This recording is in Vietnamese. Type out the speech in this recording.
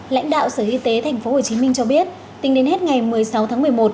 lãnh đạo sở y tế tp hcm cho biết tính đến hết ngày một mươi sáu tháng một mươi một